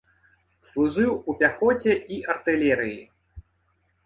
Служыў у пяхоце і артылерыі.